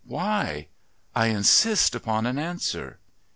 Why? I insist upon an answer."